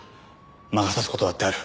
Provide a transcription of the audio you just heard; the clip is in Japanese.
「魔が差す事だってある」